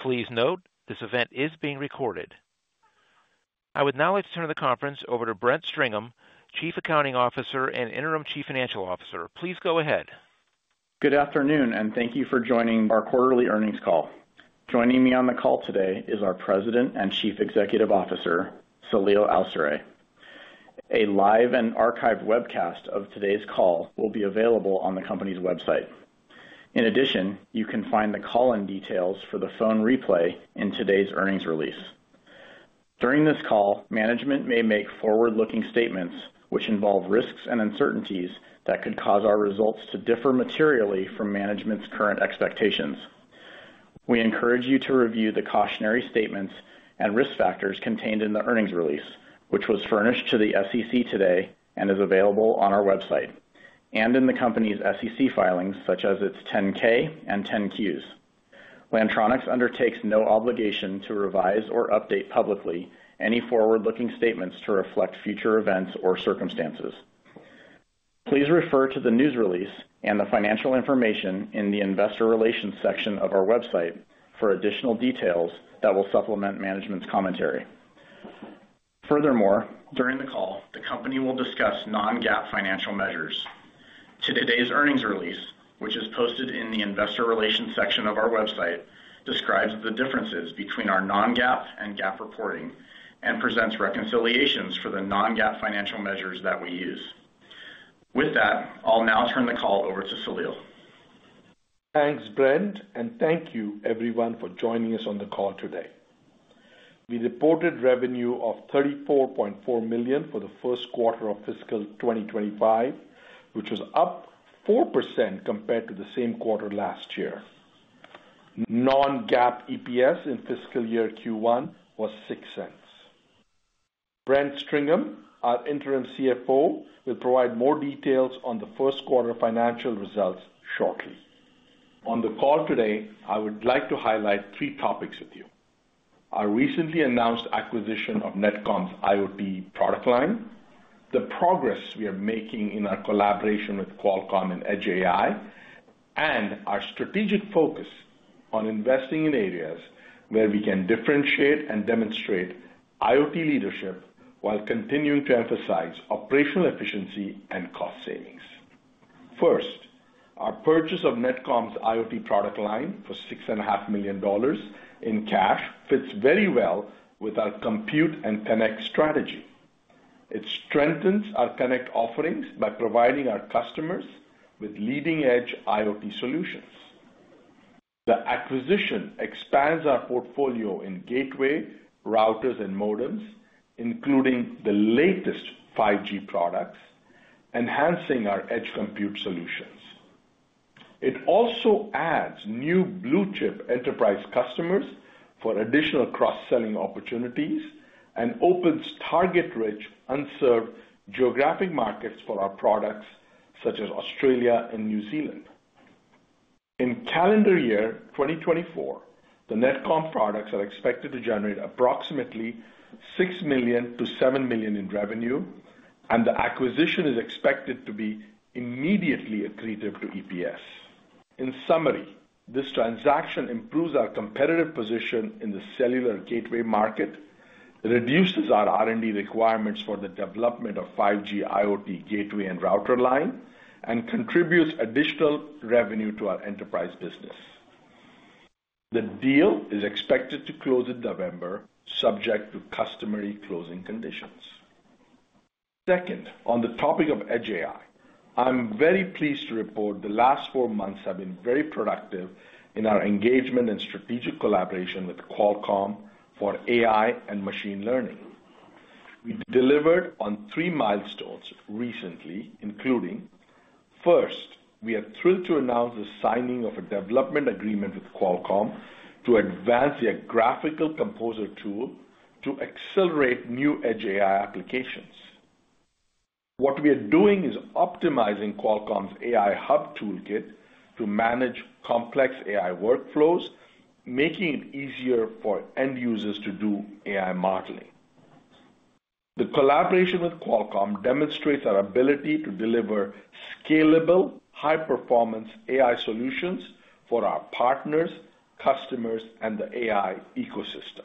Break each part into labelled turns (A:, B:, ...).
A: Please note, this event is being recorded. I would now like to turn the conference over to Brent Stringham, Chief Accounting Officer and Interim Chief Financial Officer. Please go ahead.
B: Good afternoon, and thank you for joining our quarterly earnings call. Joining me on the call today is our President and Chief Executive Officer, Saleel Awsare. A live and archived webcast of today's call will be available on the company's website. In addition, you can find the call-in details for the phone replay in today's earnings release. During this call, management may make forward-looking statements which involve risks and uncertainties that could cause our results to differ materially from management's current expectations. We encourage you to review the cautionary statements and risk factors contained in the earnings release, which was furnished to the SEC today and is available on our website and in the company's SEC filings, such as its 10-K and 10-Qs. Lantronix undertakes no obligation to revise or update publicly any forward-looking statements to reflect future events or circumstances. Please refer to the news release and the financial information in the investor relations section of our website for additional details that will supplement management's commentary. Furthermore, during the call, the company will discuss non-GAAP financial measures. Today's earnings release, which is posted in the investor relations section of our website, describes the differences between our non-GAAP and GAAP reporting and presents reconciliations for the non-GAAP financial measures that we use. With that, I'll now turn the call over to Saleel.
C: Thanks, Brent, and thank you, everyone, for joining us on the call today. We reported revenue of $34.4 million for the first quarter of fiscal 2025, which was up 4% compared to the same quarter last year. Non-GAAP EPS in fiscal year Q1 was $0.06. Brent Stringham, our Interim CFO, will provide more details on the first quarter financial results shortly. On the call today, I would like to highlight three topics with you: our recently announced acquisition of NetComm's IoT product line, the progress we are making in our collaboration with Qualcomm and edge AI, and our strategic focus on investing in areas where we can differentiate and demonstrate IoT leadership while continuing to emphasize operational efficiency and cost savings. First, our purchase of NetComm's IoT product line for $6.5 million in cash fits very well with our Compute and Connect strategy. It strengthens our connect offerings by providing our customers with leading-edge IoT solutions. The acquisition expands our portfolio in gateway routers and modems, including the latest 5G products, enhancing our edge compute solutions. It also adds new blue-chip enterprise customers for additional cross-selling opportunities and opens target-rich, unserved geographic markets for our products, such as Australia and New Zealand. In calendar year 2024, the NetComm products are expected to generate approximately $6 million-$7 million in revenue, and the acquisition is expected to be immediately accretive to EPS. In summary, this transaction improves our competitive position in the cellular gateway market, reduces our R&D requirements for the development of 5G IoT gateway and router line, and contributes additional revenue to our enterprise business. The deal is expected to close in November, subject to customary closing conditions. Second, on the topic of edge AI, I'm very pleased to report the last four months have been very productive in our engagement and strategic collaboration with Qualcomm for AI and machine learning. We delivered on three milestones recently, including: first, we are thrilled to announce the signing of a development agreement with Qualcomm to advance their Graphical Composer tool to accelerate new edge AI applications. What we are doing is optimizing Qualcomm's AI Hub toolkit to manage complex AI workflows, making it easier for end users to do AI modeling. The collaboration with Qualcomm demonstrates our ability to deliver scalable, high-performance AI solutions for our partners, customers, and the AI ecosystem.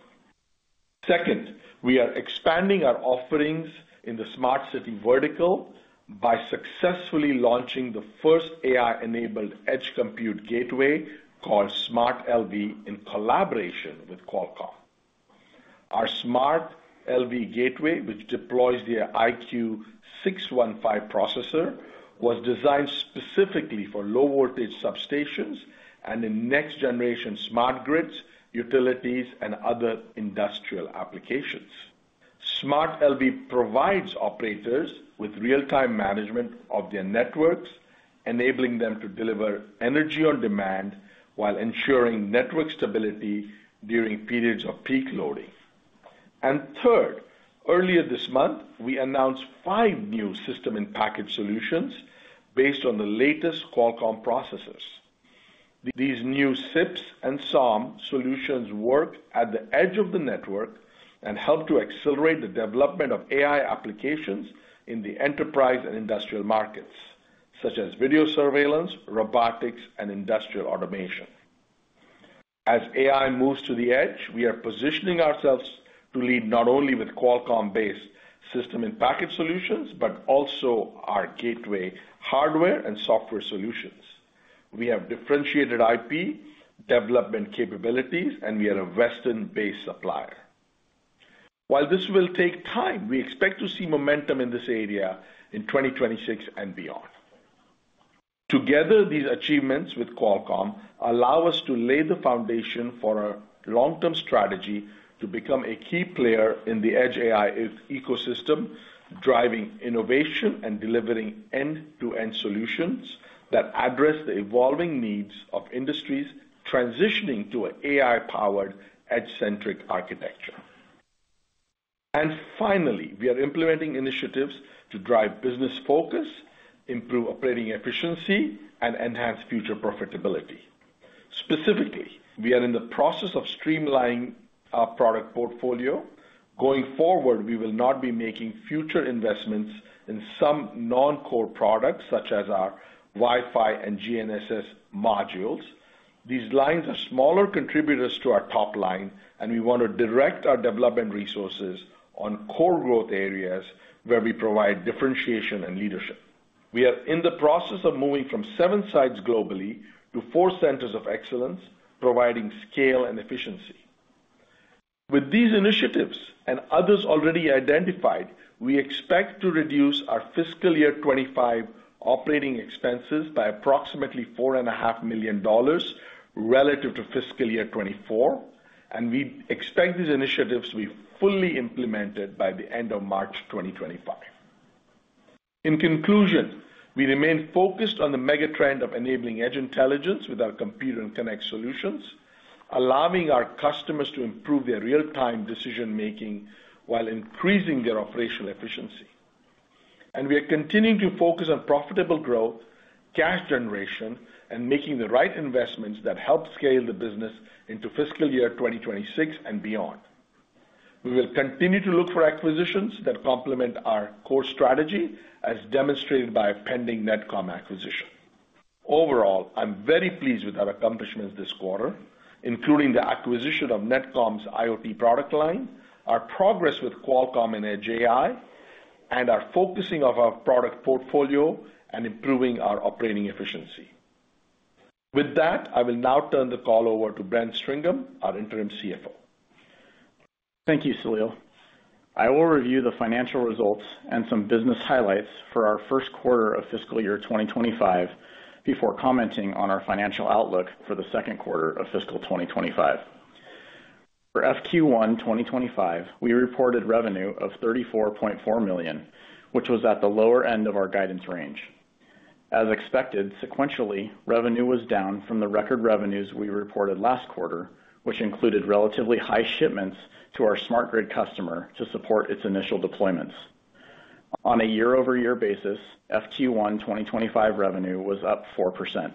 C: Second, we are expanding our offerings in the smart city vertical by successfully launching the first AI-enabled edge compute gateway called SmartLV in collaboration with Qualcomm. Our SmartLV gateway, which deploys the IQ-615 processor, was designed specifically for low-voltage substations and in next-generation smart grids, utilities, and other industrial applications. SmartLV provides operators with real-time management of their networks, enabling them to deliver energy on demand while ensuring network stability during periods of peak loading. And third, earlier this month, we announced five new system-in-package solutions based on the latest Qualcomm processors. These new SIPs and SOM solutions work at the edge of the network and help to accelerate the development of AI applications in the enterprise and industrial markets, such as video surveillance, robotics, and industrial automation. As AI moves to the edge, we are positioning ourselves to lead not only with Qualcomm-based system-in-package solutions, but also our gateway hardware and software solutions. We have differentiated IP development capabilities, and we are a Western-based supplier. While this will take time, we expect to see momentum in this area in 2026 and beyond. Together, these achievements with Qualcomm allow us to lay the foundation for our long-term strategy to become a key player in the edge AI ecosystem, driving innovation and delivering end-to-end solutions that address the evolving needs of industries transitioning to an AI-powered edge-centric architecture. And finally, we are implementing initiatives to drive business focus, improve operating efficiency, and enhance future profitability. Specifically, we are in the process of streamlining our product portfolio. Going forward, we will not be making future investments in some non-core products, such as our Wi-Fi and GNSS modules. These lines are smaller contributors to our top line, and we want to direct our development resources on core growth areas where we provide differentiation and leadership. We are in the process of moving from seven sites globally to four centers of excellence, providing scale and efficiency. With these initiatives and others already identified, we expect to reduce our fiscal year 2025 operating expenses by approximately $4.5 million relative to fiscal year 2024, and we expect these initiatives to be fully implemented by the end of March 2025. In conclusion, we remain focused on the mega trend of enabling edge intelligence with our Compute and Connect solutions, allowing our customers to improve their real-time decision-making while increasing their operational efficiency, and we are continuing to focus on profitable growth, cash generation, and making the right investments that help scale the business into fiscal year 2026 and beyond. We will continue to look for acquisitions that complement our core strategy, as demonstrated by a pending NetComm acquisition. Overall, I'm very pleased with our accomplishments this quarter, including the acquisition of NetComm's IoT product line, our progress with Qualcomm and edge AI, and our focusing of our product portfolio and improving our operating efficiency. With that, I will now turn the call over to Brent Stringham, our Interim CFO.
B: Thank you, Saleel. I will review the financial results and some business highlights for our first quarter of fiscal year 2025 before commenting on our financial outlook for the second quarter of fiscal 2025. For FQ1 2025, we reported revenue of $34.4 million, which was at the lower end of our guidance range. As expected, sequentially, revenue was down from the record revenues we reported last quarter, which included relatively high shipments to our smart grid customer to support its initial deployments. On a year-over-year basis, FQ1 2025 revenue was up 4%.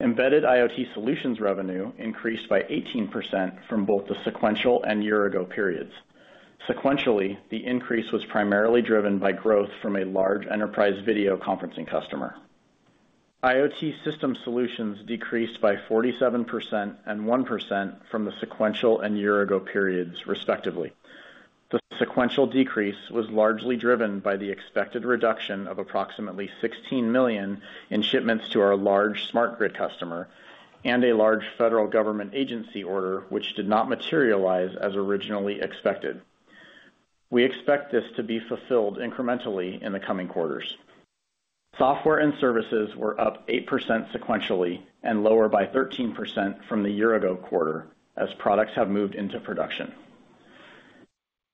B: Embedded IoT solutions revenue increased by 18% from both the sequential and year-ago periods. Sequentially, the increase was primarily driven by growth from a large enterprise video conferencing customer. IoT system solutions decreased by 47% and 1% from the sequential and year-ago periods, respectively. The sequential decrease was largely driven by the expected reduction of approximately $16 million in shipments to our large smart grid customer and a large federal government agency order, which did not materialize as originally expected. We expect this to be fulfilled incrementally in the coming quarters. Software and services were up 8% sequentially and lower by 13% from the year-ago quarter as products have moved into production.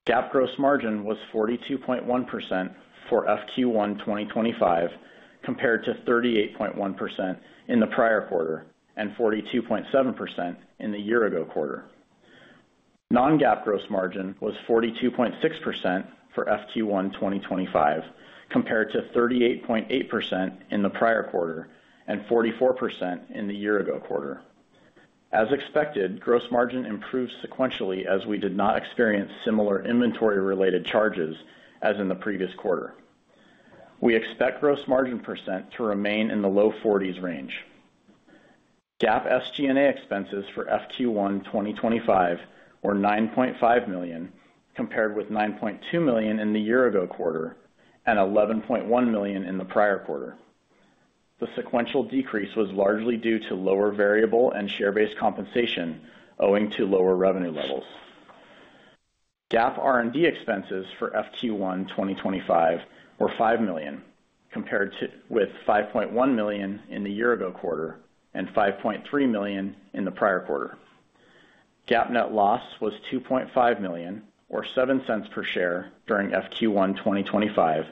B: GAAP gross margin was 42.1% for FQ1 2025, compared to 38.1% in the prior quarter and 42.7% in the year-ago quarter. Non-GAAP gross margin was 42.6% for FQ1 2025, compared to 38.8% in the prior quarter and 44% in the year-ago quarter. As expected, gross margin improved sequentially as we did not experience similar inventory-related charges as in the previous quarter. We expect gross margin percent to remain in the low 40s range. GAAP SG&A expenses for FQ1 2025 were $9.5 million, compared with $9.2 million in the year-ago quarter and $11.1 million in the prior quarter. The sequential decrease was largely due to lower variable and share-based compensation owing to lower revenue levels. GAAP R&D expenses for FQ1 2025 were $5 million, compared with $5.1 million in the year-ago quarter and $5.3 million in the prior quarter. GAAP net loss was $2.5 million, or $0.07 per share during FQ1 2025,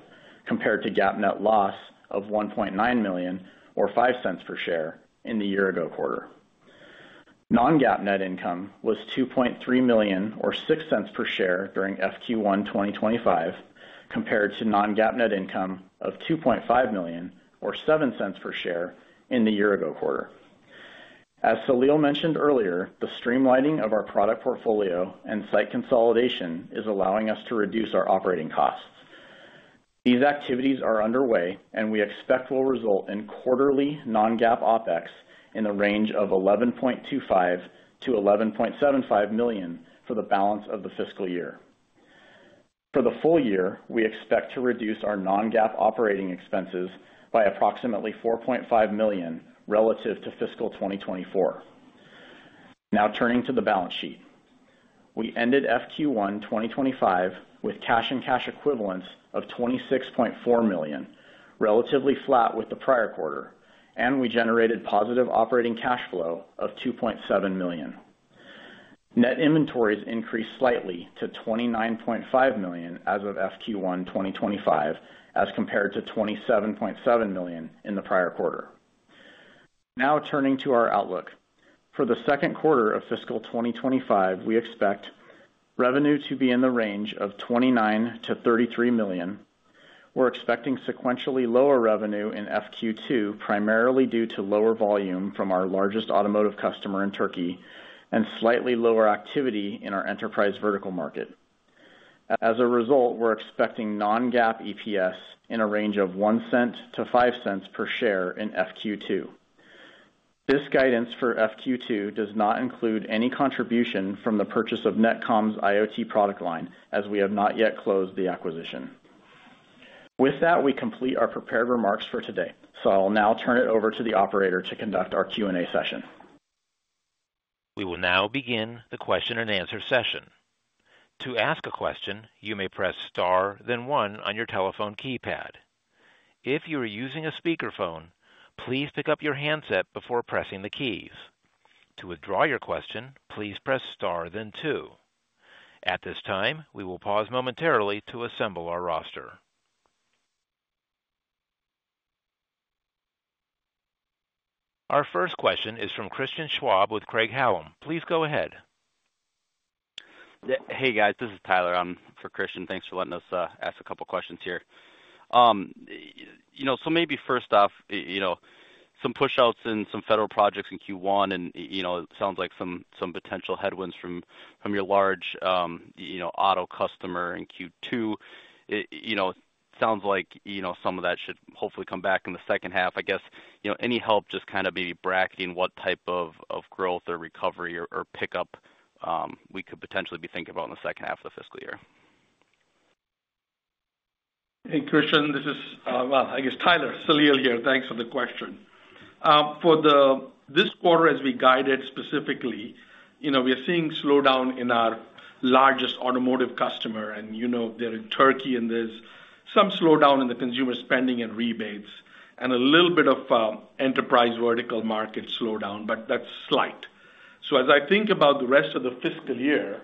B: compared to GAAP net loss of $1.9 million, or $0.05 per share in the year-ago quarter. Non-GAAP net income was $2.3 million, or $0.06 per share during FQ1 2025, compared to non-GAAP net income of $2.5 million, or $0.07 per share in the year-ago quarter. As Saleel mentioned earlier, the streamlining of our product portfolio and site consolidation is allowing us to reduce our operating costs. These activities are underway, and we expect will result in quarterly non-GAAP OpEx in the range of $11.25-$11.75 million for the balance of the fiscal year. For the full year, we expect to reduce our non-GAAP operating expenses by approximately $4.5 million relative to fiscal 2024. Now turning to the balance sheet, we ended FQ1 2025 with cash and cash equivalents of $26.4 million, relatively flat with the prior quarter, and we generated positive operating cash flow of $2.7 million. Net inventories increased slightly to $29.5 million as of FQ1 2025, as compared to $27.7 million in the prior quarter. Now turning to our outlook, for the second quarter of fiscal 2025, we expect revenue to be in the range of $29-$33 million. We're expecting sequentially lower revenue in FQ2, primarily due to lower volume from our largest automotive customer in Turkey and slightly lower activity in our enterprise vertical market. As a result, we're expecting non-GAAP EPS in a range of $0.01-$0.05 per share in FQ2. This guidance for FQ2 does not include any contribution from the purchase of NetComm's IoT product line, as we have not yet closed the acquisition. With that, we complete our prepared remarks for today. So I'll now turn it over to the operator to conduct our Q&A session.
A: We will now begin the question and answer session. To ask a question, you may press star, then one on your telephone keypad. If you are using a speakerphone, please pick up your handset before pressing the keys. To withdraw your question, please press star, then two. At this time, we will pause momentarily to assemble our roster. Our first question is from Christian Schwab with Craig-Hallum. Please go ahead.
D: Hey, guys. This is Tyler. I'm for Christian. Thanks for letting us ask a couple of questions here. So maybe first off, some push-outs in some federal projects in Q1, and it sounds like some potential headwinds from your large auto customer in Q2. It sounds like some of that should hopefully come back in the second half. I guess any help just kind of maybe bracketing what type of growth or recovery or pickup we could potentially be thinking about in the second half of the fiscal year.
C: Hey, Christian. This is, well, I guess Tyler, Saleel here. Thanks for the question. For this quarter, as we guided specifically, we are seeing slowdown in our largest automotive customer, and they're in Turkey, and there's some slowdown in the consumer spending and rebates, and a little bit of enterprise vertical market slowdown, but that's slight. So as I think about the rest of the fiscal year,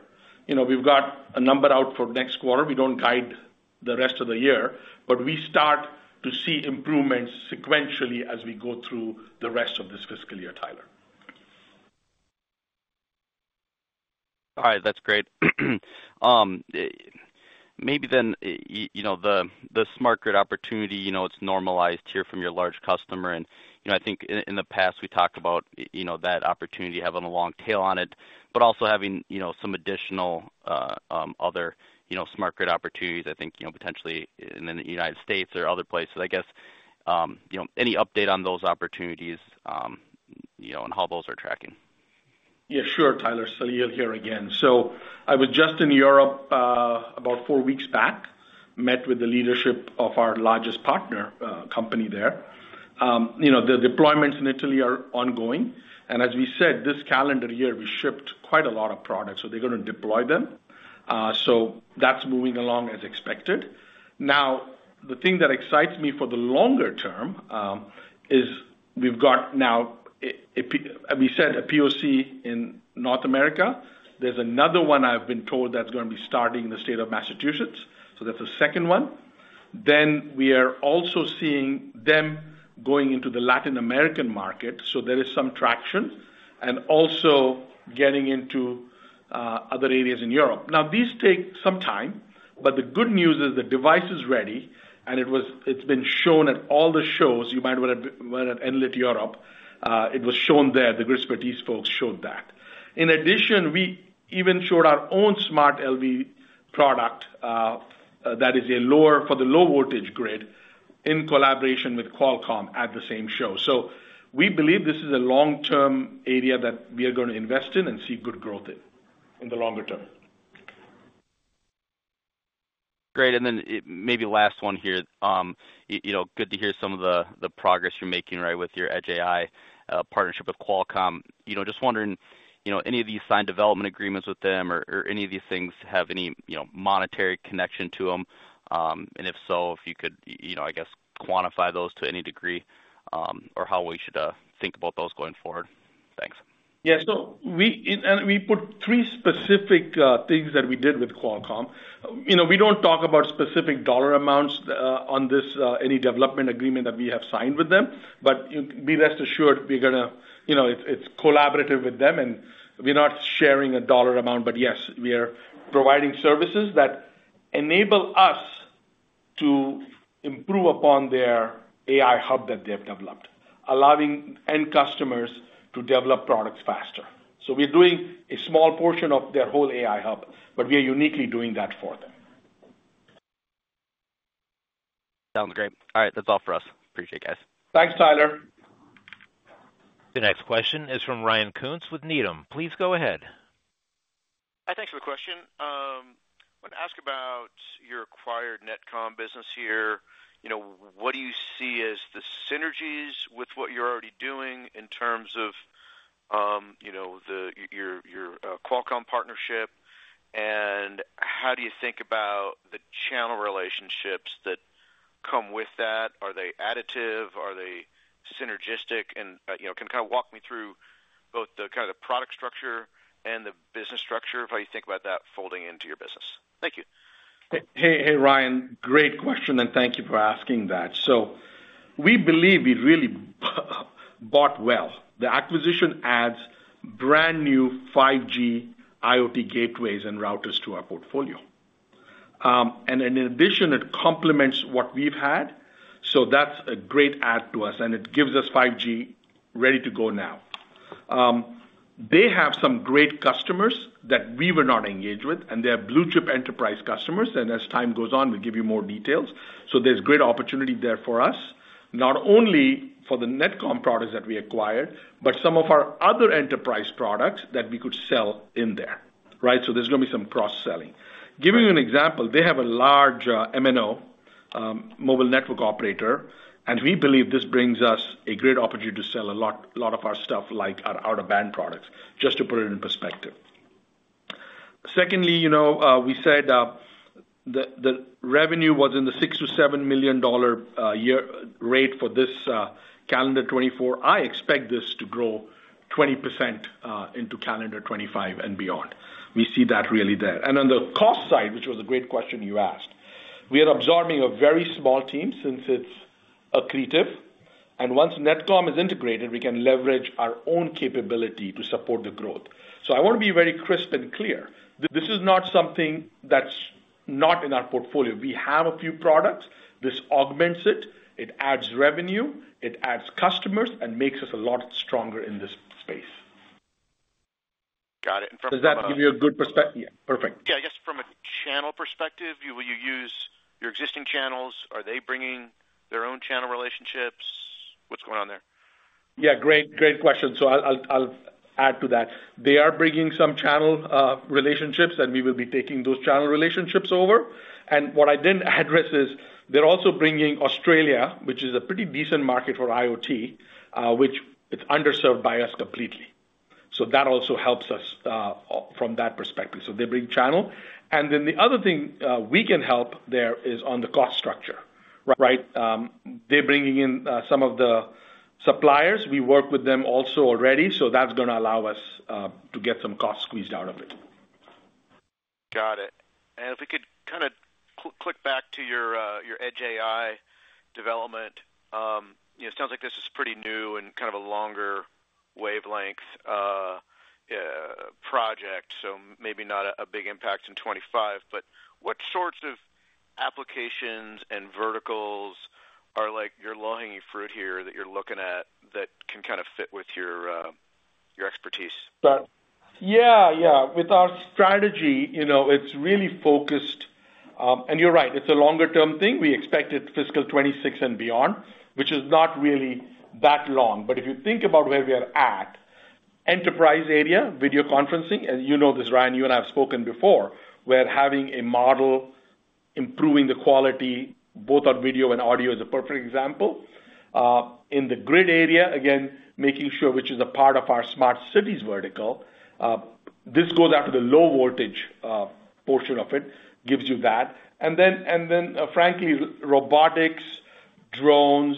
C: we've got a number out for next quarter. We don't guide the rest of the year, but we start to see improvements sequentially as we go through the rest of this fiscal year, Tyler.
D: All right. That's great. Maybe then the smart grid opportunity, it's normalized here from your large customer. And I think in the past, we talked about that opportunity having a long tail on it, but also having some additional other smart grid opportunities, I think, potentially in the United States or other places. I guess any update on those opportunities and how those are tracking?
C: Yeah, sure, Tyler. Saleel here again. So I was just in Europe about four weeks back, met with the leadership of our largest partner company there. The deployments in Italy are ongoing, and as we said, this calendar year, we shipped quite a lot of products, so they're going to deploy them, so that's moving along as expected. Now, the thing that excites me for the longer term is we've got now, as we said, a POC in North America. There's another one I've been told that's going to be starting in the state of Massachusetts, so that's the second one, then we are also seeing them going into the Latin American market, so there is some traction and also getting into other areas in Europe. Now, these take some time, but the good news is the device is ready, and it's been shown at all the shows. You might want to Enlit Europe. It was shown there. The Gridspertise folks showed that. In addition, we even showed our own smart LV product that is for the low-voltage grid in collaboration with Qualcomm at the same show, so we believe this is a long-term area that we are going to invest in and see good growth in the longer term.
D: Great, and then maybe last one here. Good to hear some of the progress you're making, right, with your edge AI partnership with Qualcomm. Just wondering, any of these signed development agreements with them or any of these things have any monetary connection to them? And if so, if you could, I guess, quantify those to any degree or how we should think about those going forward. Thanks.
C: Yeah. So we put three specific things that we did with Qualcomm. We don't talk about specific dollar amounts on any development agreement that we have signed with them, but rest assured, we're going to. It's collaborative with them, and we're not sharing a dollar amount, but yes, we are providing services that enable us to improve upon their AI Hub that they have developed, allowing end customers to develop products faster. So we're doing a small portion of their whole AI Hub, but we are uniquely doing that for them.
D: Sounds great. All right. That's all for us. Appreciate it, guys.
C: Thanks, Tyler.
A: The next question is from Ryan Koontz with Needham. Please go ahead.
E: Hi. Thanks for the question. I want to ask about your acquired NetComm business here. What do you see as the synergies with what you're already doing in terms of your Qualcomm partnership? And how do you think about the channel relationships that come with that? Are they additive? Are they synergistic? And can you kind of walk me through both the kind of product structure and the business structure of how you think about that folding into your business? Thank you.
C: Hey, Ryan. Great question, and thank you for asking that. So we believe we really bought well. The acquisition adds brand new 5G IoT gateways and routers to our portfolio. And in addition, it complements what we've had. So that's a great add to us, and it gives us 5G ready to go now. They have some great customers that we were not engaged with, and they are blue-chip enterprise customers. And as time goes on, we'll give you more details. So there's great opportunity there for us, not only for the NetComm products that we acquired, but some of our other enterprise products that we could sell in there, right? So there's going to be some cross-selling. Giving you an example, they have a large MNO, mobile network operator, and we believe this brings us a great opportunity to sell a lot of our stuff, like our out-of-band products, just to put it in perspective. Secondly, we said the revenue was in the $6-$7 million rate for this calendar 2024. I expect this to grow 20% into calendar 2025 and beyond. We see that really there. And on the cost side, which was a great question you asked, we are absorbing a very small team since it's accretive. And once NetComm is integrated, we can leverage our own capability to support the growth. So I want to be very crisp and clear. This is not something that's not in our portfolio. We have a few products. This augments it. It adds revenue. It adds customers and makes us a lot stronger in this space.
E: Got it. And from a channel perspective.
C: Does that give you a good perspective? Yeah. Perfect.
E: Yeah. I guess from a channel perspective, will you use your existing channels? Are they bringing their own channel relationships? What's going on there?
C: Yeah. Great question. So I'll add to that. They are bringing some channel relationships, and we will be taking those channel relationships over. And what I didn't address is they're also bringing Australia, which is a pretty decent market for IoT, which is underserved by us completely. So that also helps us from that perspective. So they bring channel. And then the other thing we can help there is on the cost structure, right? They're bringing in some of the suppliers. We work with them also already, so that's going to allow us to get some costs squeezed out of it.
E: Got it. And if we could kind of click back to your edge AI development, it sounds like this is pretty new and kind of a longer wavelength project, so maybe not a big impact in 2025. But what sorts of applications and verticals are your low-hanging fruit here that you're looking at that can kind of fit with your expertise?
C: Yeah. Yeah. With our strategy, it's really focused, and you're right. It's a longer-term thing. We expect it fiscal 2026 and beyond, which is not really that long. But if you think about where we are at, enterprise area, video conferencing, as you know this, Ryan, you and I have spoken before, we're having a model improving the quality. Both our video and audio is a perfect example. In the grid area, again, making sure, which is a part of our smart cities vertical, this goes after the low-voltage portion of it, gives you that. And then, frankly, robotics, drones,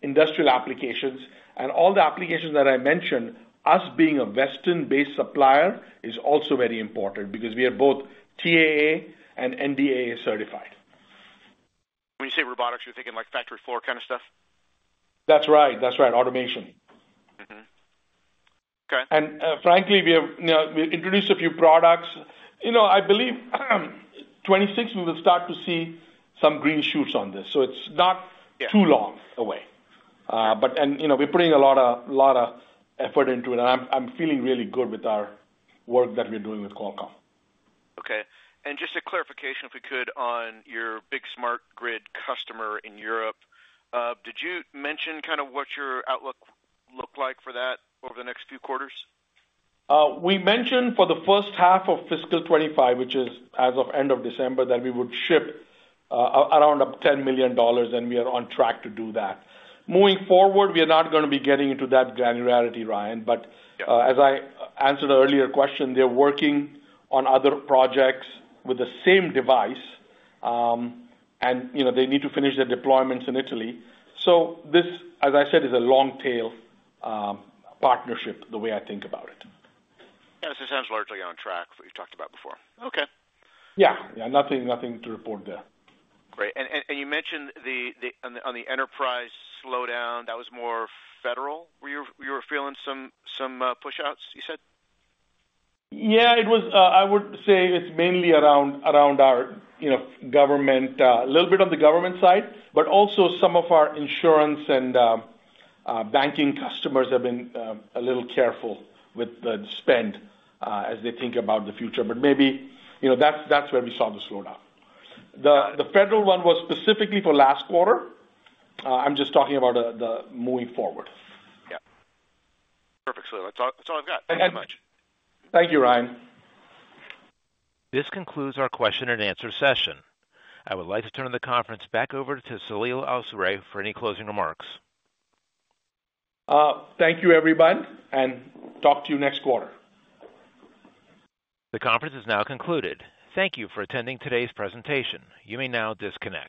C: industrial applications, and all the applications that I mentioned, us being a Western-based supplier is also very important because we are both TAA and NDAA certified.
E: When you say robotics, you're thinking like factory floor kind of stuff?
C: That's right. That's right. Automation.
E: Okay.
C: Frankly, we introduced a few products. I believe 2026, we will start to see some green shoots on this. It's not too long away. We're putting a lot of effort into it, and I'm feeling really good with our work that we're doing with Qualcomm.
E: Okay, and just a clarification, if we could, on your big smart grid customer in Europe, did you mention kind of what your outlook looked like for that over the next few quarters?
C: We mentioned for the first half of fiscal 2025, which is as of end of December, that we would ship around $10 million, and we are on track to do that. Moving forward, we are not going to be getting into that granularity, Ryan. But as I answered an earlier question, they're working on other projects with the same device, and they need to finish their deployments in Italy. So this, as I said, is a long-tail partnership, the way I think about it.
E: Yeah. So it sounds largely on track what you talked about before. Okay.
C: Yeah. Yeah. Nothing to report there.
E: Great. And you mentioned on the enterprise slowdown, that was more federal. You were feeling some push-outs, you said?
C: Yeah. I would say it's mainly around our government, a little bit on the government side, but also some of our insurance and banking customers have been a little careful with the spend as they think about the future. Maybe that's where we saw the slowdown. The federal one was specifically for last quarter. I'm just talking about the moving forward.
E: Yeah. Perfect. So that's all I've got. Thank you very much.
C: Thank you, Ryan.
A: This concludes our question-and-answer session. I would like to turn the conference back over to Saleel Awsare for any closing remarks.
C: Thank you, everyone, and talk to you next quarter.
A: The conference is now concluded. Thank you for attending today's presentation. You may now disconnect.